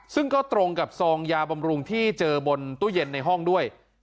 ซึ่งก็ตรงกับซองยาบำรุงที่เจอบนตู้เย็นในห้องด้วย